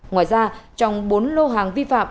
ngoài ra trong bốn lô hàng vi phạm